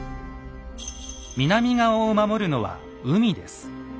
南側を守るのは海です。